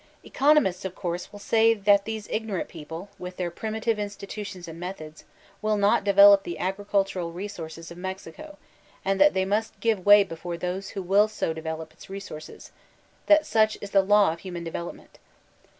Economists, of course, will say that these ignorant people, with their primitive institutions and methods, will not develop the agricultural resources of Mexico, and diat they must give way before those who will so develop its resources; that such b the law of human develop ment.